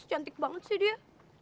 cantik banget sih dia